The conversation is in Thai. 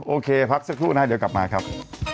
โอเคพักสักครู่นะเดี๋ยวกลับมาครับ